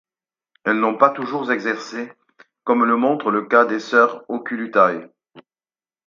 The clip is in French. Elles n'ont pas toujours exercées, comme le montre le cas des sœurs Oculutae.